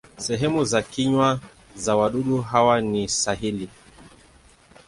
Sehemu za kinywa za wadudu hawa ni sahili.